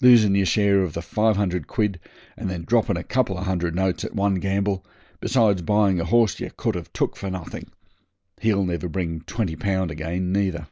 Losin' yer share of the five hundred quid, and then dropping a couple of hundred notes at one gamble, besides buying a horse yer could have took for nothing. He'll never bring twenty pound again, neither.'